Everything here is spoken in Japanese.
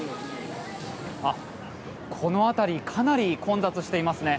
この辺りかなり混雑していますね。